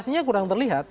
artinya kurang terlihat